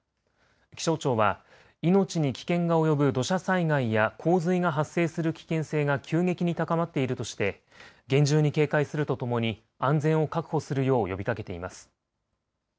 気象庁は命に危険が及ぶ土砂災害や洪水が発生する危険性が急激に高まっているとして厳重に警戒するとともに安全を確保するよう呼びかけています。